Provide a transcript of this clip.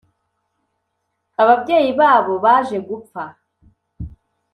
Ababyeyi babo baje gupfa